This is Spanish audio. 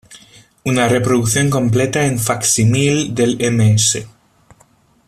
Una reproducción completa en facsímil del Ms.